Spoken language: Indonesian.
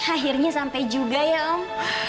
akhirnya sampai juga ya om